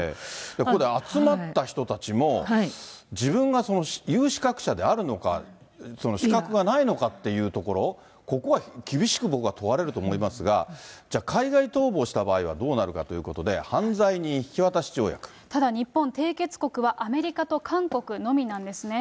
ここで集まった人たちも、自分が有資格者であるのか、その資格がないのかっていうところ、ここは厳しく僕は問われると思いますが、じゃあ海外逃亡した場合はどうなるかということで、ただ日本、締結国はアメリカと韓国のみなんですね。